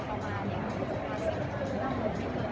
พี่แม่ที่เว้นได้รับความรู้สึกมากกว่า